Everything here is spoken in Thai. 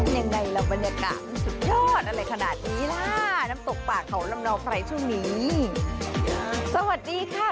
ยังไงล่ะบรรยากาศมันสุดยอดอะไรขนาดนี้ล่ะน้ำตกป่าเขาลำเนาใครช่วงนี้สวัสดีค่ะ